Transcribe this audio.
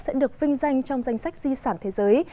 sẽ được vinh danh trong danh sách di sản thế giới